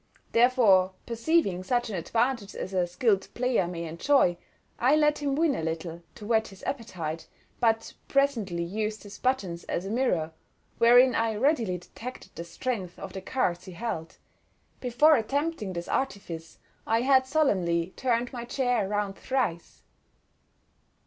Therefore, perceiving such an advantage as a skilled player may enjoy, I let him win a little to whet his appetite, but presently used his buttons as a mirror, wherein I readily detected the strength of the cards he held. Before attempting this artifice, I had solemnly turned my chair round thrice.